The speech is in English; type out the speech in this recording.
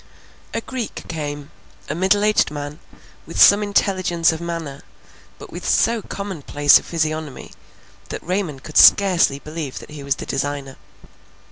A Greek came. A middle aged man, with some intelligence of manner, but with so common place a physiognomy, that Raymond could scarcely believe that he was the designer.